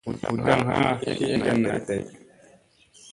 Hut taŋ ha ki egen naa day.